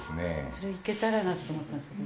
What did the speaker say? それいけたらなと思ったんですけど。